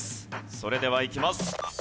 それではいきます。